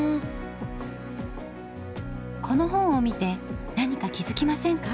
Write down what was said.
この本を見て何か気づきませんか？